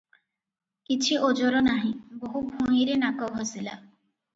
କିଛି ଓଜର ନାହିଁ - ବୋହୂ ଭୁଇଁରେ ନାକ ଘଷିଲା ।